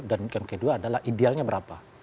dan yang kedua adalah idealnya berapa